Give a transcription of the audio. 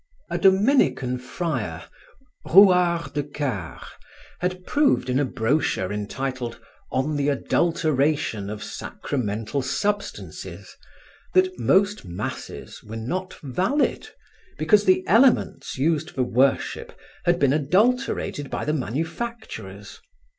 A Dominican friar, Rouard de Card, had proved in a brochure entitled "On the Adulteration of Sacramental Substances" that most masses were not valid, because the elements used for worship had been adulterated by the manufacturers.